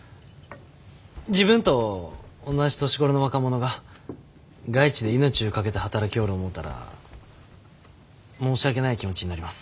自分とおんなじ年頃の若者が外地で命ゅう懸けて働きょおる思うたら申し訳ない気持ちになります。